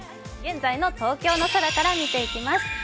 現在の東京の空から見ていきます。